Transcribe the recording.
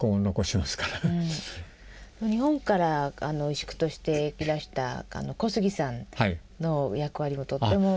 日本から石工としていらした小杉さんの役割もとっても。